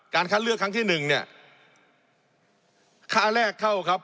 คัดเลือกครั้งที่หนึ่งเนี่ยค่าแรกเข้าครับ